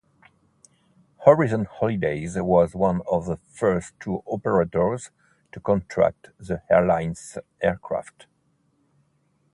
Horizon Holidays was one of the first tour operators to contract the airline's aircraft.